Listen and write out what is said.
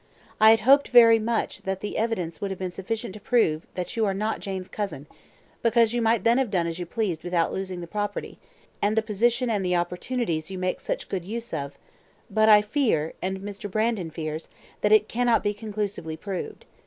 I had hoped very much that the evidence would have been sufficient to prove that you are not Jane's cousin, because you might then have done as you pleased without losing the property, and the position and the opportunities you make such good use of; but I fear and Mr. Brandon fears that it cannot be conclusively proved.